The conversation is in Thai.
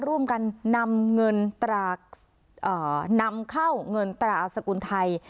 ร่วมกันนำเงินตรานำเข้าเงินตราสกุลไทย